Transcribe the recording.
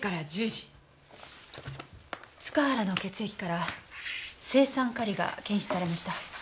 塚原の血液から青酸カリが検出されました。